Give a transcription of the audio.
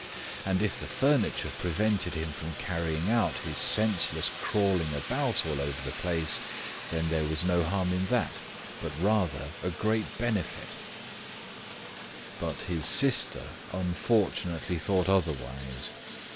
And if the furniture prevented him from carrying out his senseless crawling about all over the place, then there was no harm in that, but rather a great benefit. But his sister unfortunately thought otherwise.